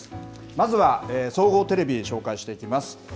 まずは総合テレビで紹介していきます。